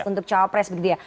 untuk cawapres begitu ya